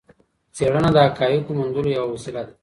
څېړنه د حقایقو موندلو یوه وسيله ده.